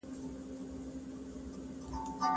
هغه تر بل هر چا ډېره مهربانه ملګرې ده.